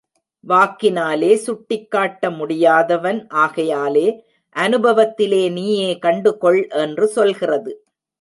வாக்கினாலே சுட்டிக்காட்ட முடியாதவன் ஆகையாலே, அநுபவத்திலே நீயே கண்டுகொள் என்று சொல்கிறது.